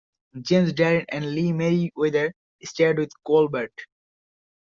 James Darren and Lee Meriweather starred with Colbert.